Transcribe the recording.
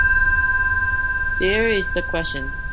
There is the question.